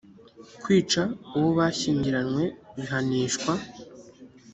kwica uwo bashyingiranywe bihanishwa